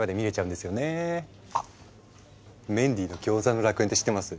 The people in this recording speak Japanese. あっ「メンディーのギョーザの楽園」って知ってます？